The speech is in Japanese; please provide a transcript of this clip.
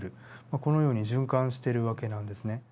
このように循環してる訳なんですね。